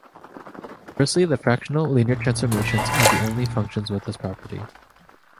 Conversely, the fractional linear transformations are the only functions with this property.